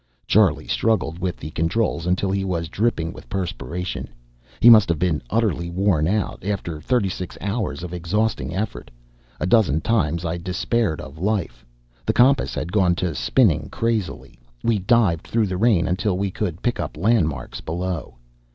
Charlie struggled with the controls until he was dripping with perspiration. He must have been utterly worn out, after thirty six hours of exhausting effort. A dozen times I despaired of life. The compass had gone to spinning crazily; we dived through the rain until we could pick up landmarks below.